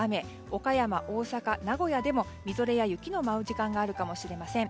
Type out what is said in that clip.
岡山、大阪、名古屋でもみぞれや雪の舞う時間があるかもしれません。